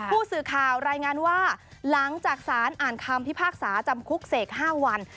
ผู้สื่อข่าวรายงานว่าหลังจากสารอ่านคำพิพากษาจำคุกเสก๕วัน